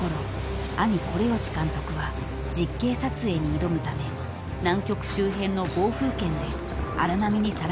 兄惟繕監督は実景撮影に挑むため南極周辺の暴風圏で荒波にさらされていました］